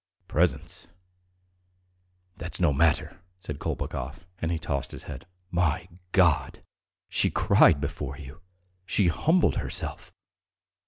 "Presents ... that's no matter!" said Kolpakov, and he tossed his head. "My God! She cried before you, she humbled herself.